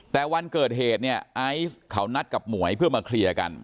แต่วันเกิดเหตุเนี่ยไอซ์เขานัดกับหมวยเพื่อมาเคลียร์กัน